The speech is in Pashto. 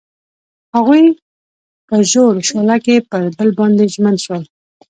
هغوی په ژور شعله کې پر بل باندې ژمن شول.